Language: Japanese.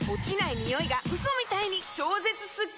ニオイがウソみたいに超絶スッキリ‼